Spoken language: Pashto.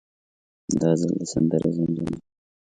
دا ځل د سندرې زمزمه.